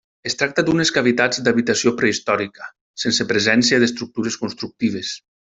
Es tracta d'unes cavitats d'habitació prehistòrica, sense presència d'estructures constructives.